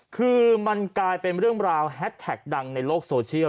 คือมันกลายเป็นเรื่องราวแฮสแท็กดังในโลกโซเชียล